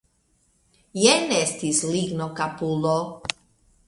Jen estis lignokapulo.